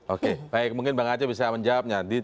oke baik mungkin bang aceh bisa menjawabnya